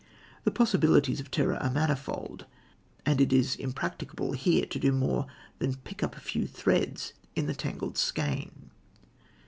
The possibilities of terror are manifold, and it is impracticable here to do more than pick up a few threads in the tangled skein.